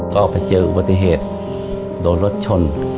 ก็ไปเจอปฏิเหตุโดดรถชน